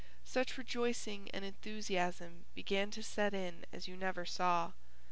Such rejoicing and enthusiasm began to set in as you never saw.